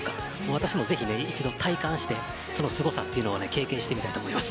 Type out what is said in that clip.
私もぜひ体感してそのすごさを経験してみたいと思います。